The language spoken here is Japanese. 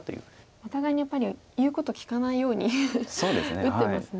お互いにやっぱり言うこと聞かないように打ってますね。